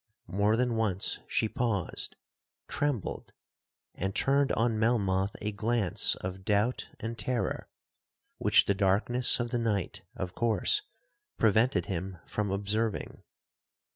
More than once she paused, trembled, and turned on Melmoth a glance of doubt and terror,—which the darkness of the night, of course, prevented him from observing.